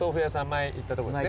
前行ったとこですね。